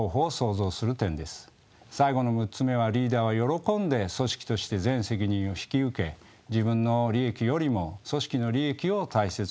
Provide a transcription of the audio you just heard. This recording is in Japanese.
最後の６つ目はリーダーは喜んで組織として全責任を引き受け自分の利益よりも組織の利益を大切に考える。